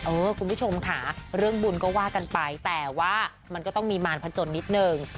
คุณผู้ชมค่ะเรื่องบุญก็ว่ากันไปแต่ว่ามันก็ต้องมีมารพจนนิดนึง